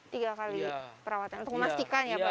tiga kali perawatan untuk memastikan ya pak